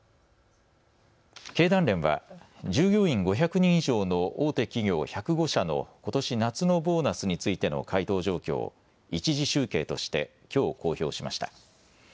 経団連は従業員５００人以上の大手企業１０５社のことし夏のボーナスについての回答状況を１次集計としてきょう公表しました。